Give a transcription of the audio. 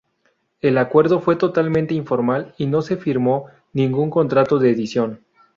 El acuerdo fue totalmente informal y no se firmó ningún contrato de edición.